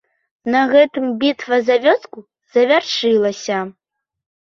На гэтым бітва за вёску завяршылася.